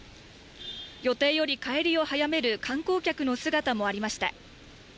予定より帰りを早める観光客の姿もありました。